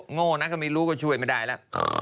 โง่นะก็ไม่รู้ก็ช่วยไม่ได้แล้ว